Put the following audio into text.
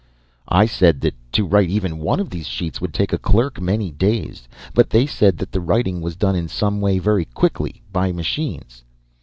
I said that to write even one of these sheets would take a clerk many days, but they said that the writing was done in some way very quickly by machines.